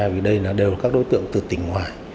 vì đây đều là các đối tượng từ tỉnh ngoài